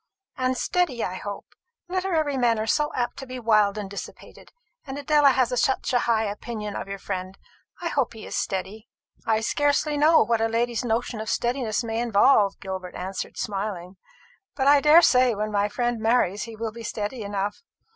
"And steady, I hope. Literary men are so apt to be wild and dissipated; and Adela has such a high opinion of your friend. I hope he is steady." "I scarcely know what a lady's notion of steadiness may involve," Gilbert answered, smiling; "but I daresay when my friend marries he will be steady enough.